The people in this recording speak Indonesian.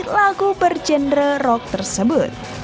lagu berjenre rock tersebut